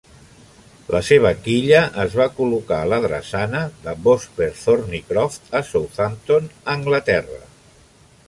La seva quilla es va col·locar a la drassana de Vosper Thornycroft a Southampton, Anglaterra.